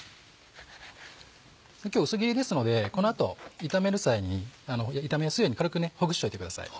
今日薄切りですのでこの後炒める際に炒めやすいように軽くほぐしておいてください。